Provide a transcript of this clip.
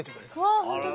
わあ本当だ。